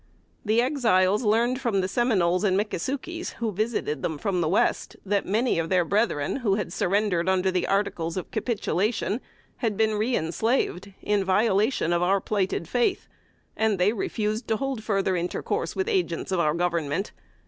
The Exiles learned from the Seminoles and Mickasukies, who visited them from the West, that many of their brethren who surrendered under the articles of capitulation, had been reënslaved, in violation of our plighted faith; and they refused to hold further intercourse with the agents of our Government.